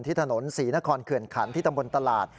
ถนนศรีนครเขื่อนขันที่ตำบลตลาด